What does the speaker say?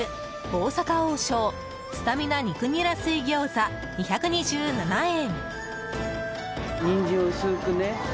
大阪王将スタミナ肉ニラ水餃子、２２７円。